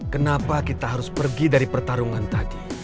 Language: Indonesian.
kenapa kita harus pergi dari pertarungan tadi